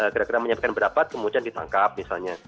gara gara menyampaikan pendapat kemudian ditangkap misalnya